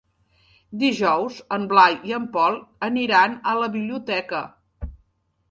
Dijous en Blai i en Pol iran a la biblioteca.